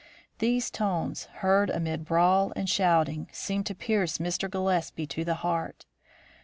These tones, heard amid brawl and shouting, seemed to pierce Mr. Gillespie to the heart.